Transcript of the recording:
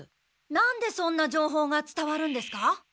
なんでそんな情報がつたわるんですか？